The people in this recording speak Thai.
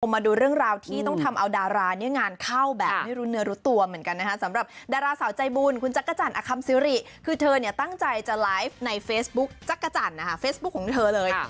มาดูเรื่องราวที่ต้องทำเอาดาราเนี่ยงานเข้าแบบไม่รู้เนื้อรู้ตัวเหมือนกันนะคะสำหรับดาราสาวใจบุญคุณจักรจันทร์อคัมซิริคือเธอเนี่ยตั้งใจจะไลฟ์ในเฟซบุ๊กจักรจันทร์นะคะเฟซบุ๊คของเธอเลย